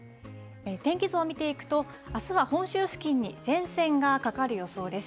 天気図を見ていくと、あすは本州付近に前線がかかる予想です。